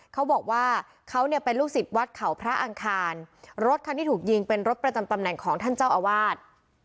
เขาบอกว่าเขาเนี่ยเป็นลูกศิษย์วัดเขาพระอังคารรถคันที่ถูกยิงเป็นรถประจำตำแหน่งของท่านเจ้าอาวาส